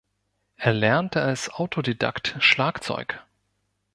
Er lernte als Autodidakt Schlagzeug.